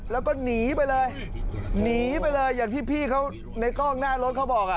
แล้วก็หนีไปเลยหนีไปเลยอย่างที่พี่เขาในกล้องหน้ารถเขาบอกอ่ะ